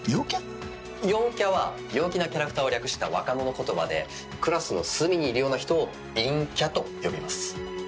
陽キャは陽気なキャラクターを略した若者言葉でクラスの隅にいるような人を陰キャと呼びます。